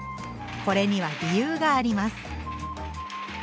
これには理由があります。